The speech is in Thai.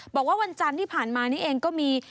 บอกว่าวันจันทร์ที่ผ่านมานี่เองก็มี